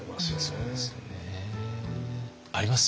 そうですよね。あります？